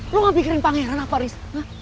lo gak pikirin pangeran apa riz